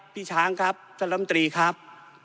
พี่ช้างครับสรรำตรีครับ